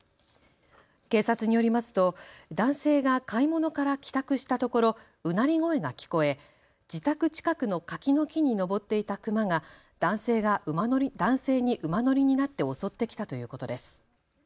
警察によりますと男性が買い物から帰宅したところうなり声が聞こえ自宅近くの柿の木に登っていたクマが男性に馬乗りになって襲ってきたということです。